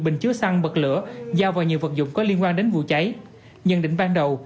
bình chứa xăng bật lửa giao vào nhiều vật dụng có liên quan đến vụ cháy nhân định ban đầu